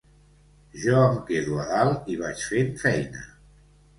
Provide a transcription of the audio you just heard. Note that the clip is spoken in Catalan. Jo em quedo a dalt i vaig fent feina.